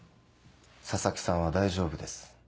佐々木さんは大丈夫です。